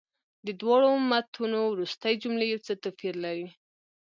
د دواړو متونو وروستۍ جملې یو څه توپیر لري.